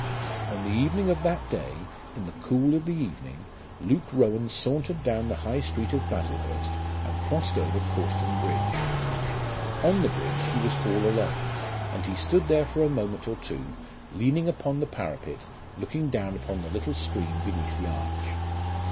On the evening of that day in the cool of the evening Luke Rowan sauntered down the High Street of Baslehurst, and crossed over Cawston bridge. On the bridge he was all alone, and he stood there for a moment or two leaning upon the parapet looking down upon the little stream beneath the arch.